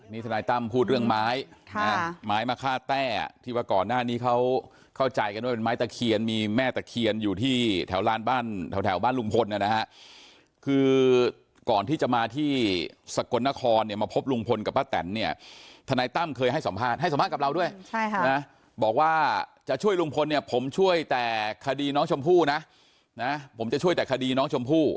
นี่ทนายตั้มพูดเรื่องไม้ไม้มาฆ่าแต้ที่ว่าก่อนหน้านี้เขาเข้าใจกันว่าเป็นไม้ตะเคียนมีแม่ตะเคียนอยู่ที่แถวลานบ้านแถวบ้านลุงพลนะฮะคือก่อนที่จะมาที่สกลนครเนี่ยมาพบลุงพลกับป้าแตนเนี่ยทนายตั้มเคยให้สัมภาษณ์ให้สัมภาษณ์กับเราด้วยบอกว่าจะช่วยลุงพลเนี่ยผมช่วยแต่คดีน้องชมพู่นะนะผมจะช่วยแต่คดีน้องชมพู่